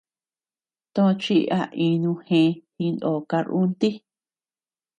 Tochi a inu jee, jinó karrunti.